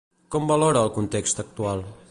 Com valora el context actual?